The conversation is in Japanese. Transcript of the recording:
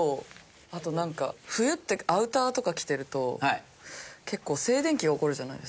あとなんか冬ってアウターとか着てると結構静電気が起こるじゃないですか。